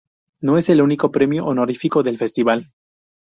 No es el único premio honorífico del festival.